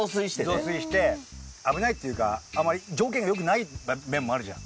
増水して危ないっていうかあまり条件が良くない面もあるじゃん。